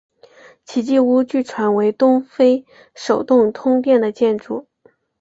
奇迹屋据传为东非首幢通电的建筑。